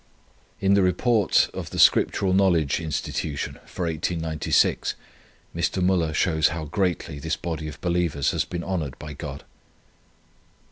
In the Report of the Scriptural Knowledge Institution for 1896 Mr. Müller shows how greatly this body of believers has been honoured by God.